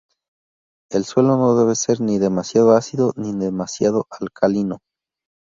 El suelo no debe ser ni demasiado ácido ni demasiado alcalino.